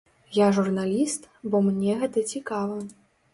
Я журналіст, бо мне гэта цікава.